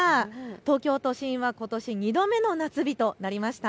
東京都心はことし２度目の夏日となりました。